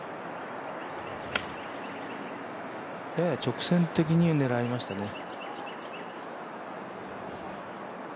やや直線的に狙いましたね。